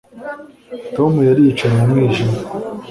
Tom yari yicaye mu mwijima